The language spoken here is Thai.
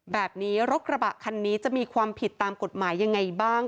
แบบนี้รถกระบะคันนี้จะมีความผิดตามกฎหมายยังไงบ้าง